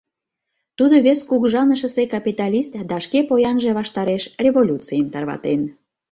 Тудо вес кугыжанышысе капиталист да шке поянже ваштареш революцийым тарватен...